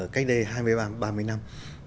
cách đây hai mươi ba mươi năm